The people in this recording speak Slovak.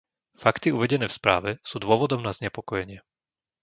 Fakty uvedené v správe sú dôvodom na znepokojenie.